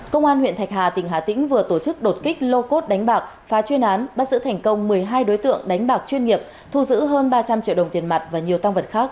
công an huyện thạch hà tỉnh hà tĩnh vừa tổ chức đột kích lô cốt đánh bạc phá chuyên án bắt giữ thành công một mươi hai đối tượng đánh bạc chuyên nghiệp thu giữ hơn ba trăm linh triệu đồng tiền mặt và nhiều tăng vật khác